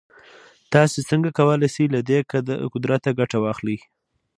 تاسې څنګه کولای شئ له دې قدرته ګټه واخلئ.